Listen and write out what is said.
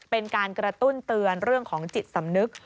เป็นการกระตุ้นเตือนเรื่องของจิตสำนึก